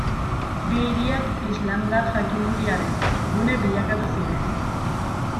Bi hiriak islamdar jakinduriaren gune bilakatu ziren.